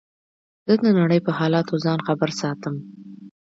زه د نړۍ په حالاتو ځان خبر ساتم.